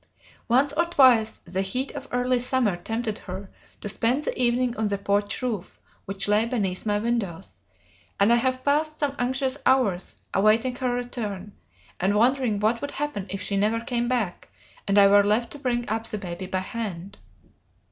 Once or twice the heat of early summer tempted her to spend the evening on the porch roof which lay beneath my windows, and I have passed some anxious hours awaiting her return, and wondering what would happen if she never came back, and I were left to bring up the baby by hand.